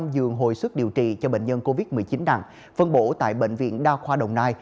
một trăm linh giường hồi sức điều trị cho bệnh nhân covid một mươi chín nặng phân bổ tại bệnh viện đa khoa đồng nai